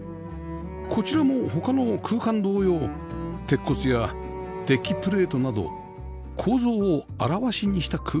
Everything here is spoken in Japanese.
こちらも他の空間同様鉄骨やデッキプレートなど構造を現しにした空間